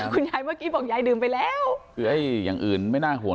คุณยายเมื่อกี้บอกยายดื่มไปแล้วคือไอ้อย่างอื่นไม่น่าห่วง